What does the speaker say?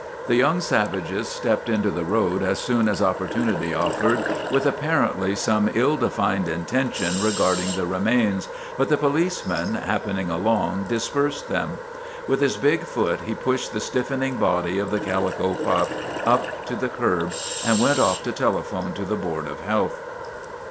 The young savages stepped into the road as soon as opportunity offered, with apparently some ill de fined intention regarding the remains, but the police man, happening along, dispersed them. With his big foot he pushed the stiffening body of the calico pup up to the curb, and went off to telephone to the Board of Health.